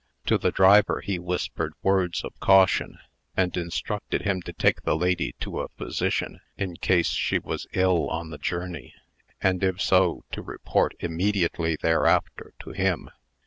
To the driver he whispered words of caution, and instructed him to take the lady to a physician, in case she was ill on the journey; and, if so, to report, immediately thereafter, to him.